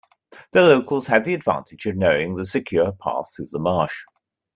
The locals had the advantage of knowing the secure path through the marsh.